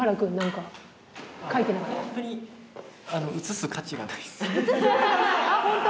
映す価値がない、本当？